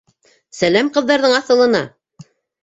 Сәләм ҡыҙҙарҙың аҫылына!